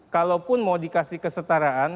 kalaupun mau dikasih kesetaraan